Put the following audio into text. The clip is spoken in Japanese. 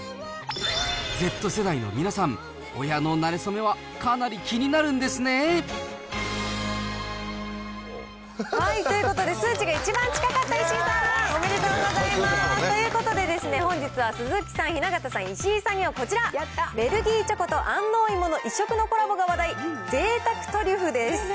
Ｚ世代の皆さん、親のなれ初めはかなり気になるんですね。ということで、数値が一番近かった石井さん、おめでとうございます。ということで、本日は鈴木さん、雛形さん、石井さんにはこちら、ベルギーチョコと安納芋の異色のコラボが話題のぜいたくトリュフです。